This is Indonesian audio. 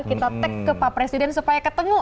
kita take ke pak presiden supaya ketemu